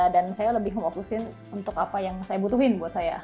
dan saya lebih memfokusin untuk apa yang saya butuhin buat saya